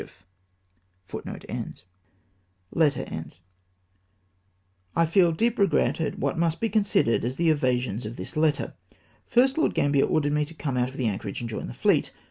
I felt deep regret at what must be considered as the evasions of tliis letter. Fii^st, Lord Gambler ordered me to come out of the anchorage and join the fleet